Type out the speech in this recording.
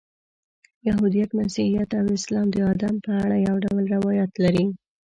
یهودیت، مسیحیت او اسلام د آدم په اړه یو ډول روایات لري.